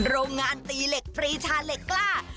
โรงงานตีเหล็กฟรีชาเหล็กกล้า